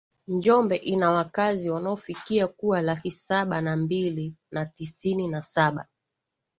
Njombe ina wakazi wanaofikia kuwa laki saba na mbili na tisini na Saba